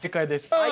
はい。